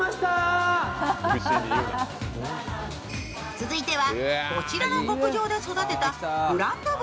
続いては、こちらの牧場で育てたブランド豚